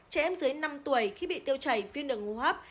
trẻ em dưới năm tuổi khi bị tiêu chảy viên năng ngu hấp